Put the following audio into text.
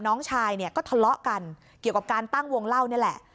น้องชายเนี่ยก็ทะเลาะกันเกี่ยวกับการตั้งวงเล่านี่แหละ